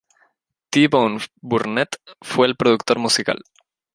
T Bone Burnett fue el productor musical.